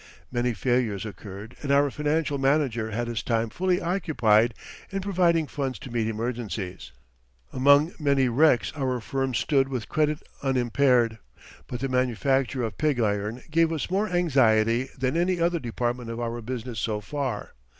Many failures occurred and our financial manager had his time fully occupied in providing funds to meet emergencies. Among many wrecks our firm stood with credit unimpaired. But the manufacture of pig iron gave us more anxiety than any other department of our business so far.